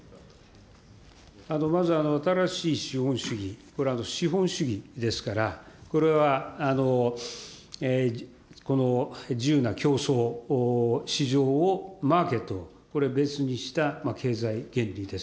まず新しい資本主義、資本主義ですから、これは自由な競争市場、マーケット、これ、別にした経済原理です。